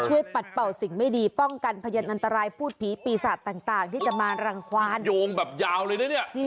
ปัดเป่าสิ่งไม่ดีป้องกันพยันอันตรายพูดผีปีศาจต่างที่จะมารังความโยงแบบยาวเลยนะเนี่ย